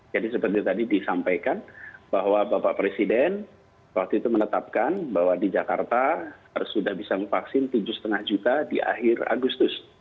jadi seperti tadi disampaikan bahwa bapak presiden waktu itu menetapkan bahwa di jakarta sudah bisa memvaksin tujuh lima juta di akhir agustus